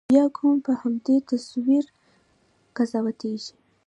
بیا قوم په همدې تصویر قضاوتېږي.